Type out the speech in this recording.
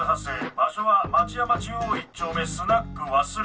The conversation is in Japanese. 場所は町山中央１丁目スナック「ワスレモノ」。